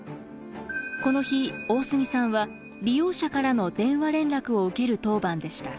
この日大杉さんは利用者からの電話連絡を受ける当番でした。